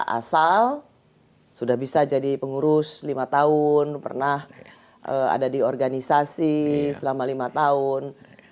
asal sudah bisa jadi pengurus lima tahun pernah ada di organisasi selama lima tahun